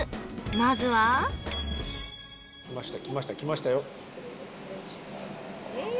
まずは来ました来ました来ましたよ